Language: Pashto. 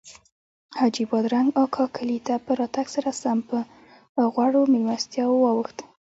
حاجي بادرنګ اکا کلي ته په راتګ سره سم پر غوړو میلمستیاوو واوښت.